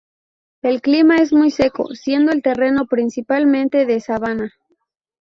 El clima es muy seco, siendo el terreno principalmente de sabana.